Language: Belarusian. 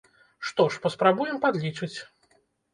Што ж, паспрабуем падлічыць.